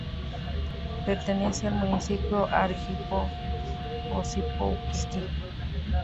Pertenece al municipio Arjipo-Ósipovski.